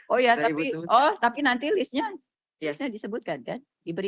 oh iya tapi nanti list nya disebutkan kan